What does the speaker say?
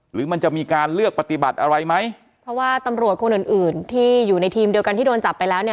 หรือมันจะมีการเลือกปฏิบัติอะไรไหมเพราะว่าตำรวจคนอื่นอื่นที่อยู่ในทีมเดียวกันที่โดนจับไปแล้วเนี่ย